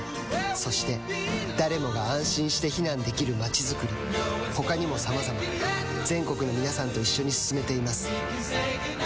そして誰もが安心して避難できる街づくり他にもさまざま全国の皆さんと一緒に進めています